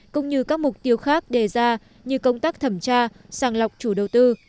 cũng như các mục tiêu khác đề ra như công tác thẩm tra sàng lọc chủ đầu tư